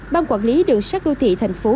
bang quản lý đường sắt đô thị thành phố